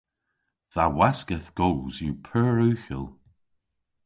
Dha waskedh goos yw pur ughel.